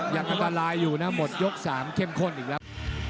ยังปัญหาตลาดอยู่นะหมดยก๓เค็มข้นอีกแล้ว